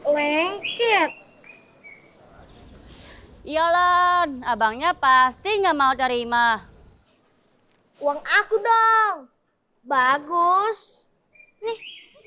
wengkit iyalan abangnya pasti enggak mau terima uang aku dong bagus nih